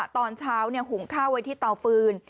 ตอนเช้าหุงข้าวไว้ที่เตาฟืน